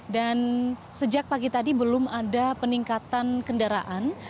dan sejak pagi tadi belum ada peningkatan kendaraan